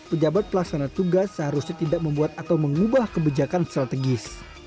pejabat pelaksana tugas seharusnya tidak membuat atau mengubah kebijakan strategis